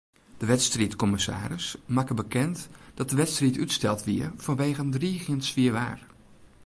De wedstriidkommissaris makke bekend dat de wedstriid útsteld wie fanwege driigjend swier waar.